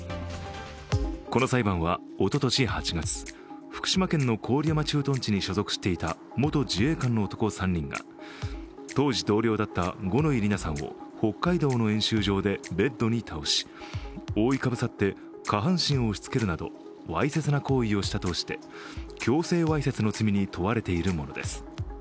この裁判はおととし８月、福島県の郡山駐屯地に所蔵していた元自衛官の男３人が当時同僚だった五ノ井里奈さんを北海道の演習場でベッドに倒しベッドに倒し、覆いかぶさって下半身を押しつけるなどわいせつな行為をしたとして、強制わいせつの罪に問われているものです。